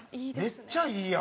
めっちゃいいやん。